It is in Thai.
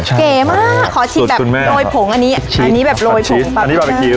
ใช่แก่มากขอชิดแบบโรยผงอันนี้ชีสอันนี้แบบโรยผงอันนี้บาร์บีคิว